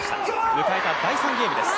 迎えた第３ゲームです。